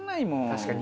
確かに。